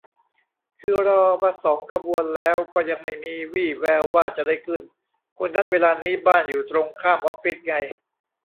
คือรอมาสองขบวนแล้วก็ยังไม่มีวี่แววว่าจะได้ขึ้น คนนัดเวลานี้บ้านอยู่ตรงข้ามออฟฟิศไง